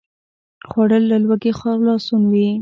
خوړل له لوږې خلاصون وي